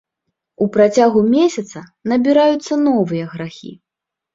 У працягу месяца набіраюцца новыя грахі.